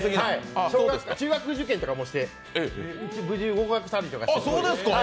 中学受験とかもして無事合格したりとかして。